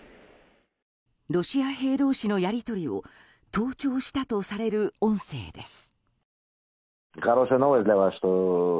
ロシア兵同士のやり取りを盗聴したとされる音声です。